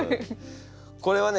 これはね